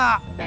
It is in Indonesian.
kau tak cerdas